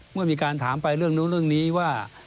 เมื่อมีการถามไปเรื่องนู้นเรื่องนี้ว่า